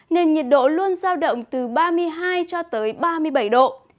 nên nhiệt độ luôn giao động từ ba mươi hai cho tới ba mươi bảy độ